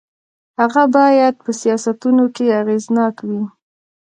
هغه باید په سیاستونو کې اغېزناک وي.